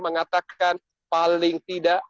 mengatakan paling tidak